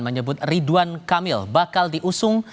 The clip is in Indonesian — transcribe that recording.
menyebut ridwan kamil bakal diusung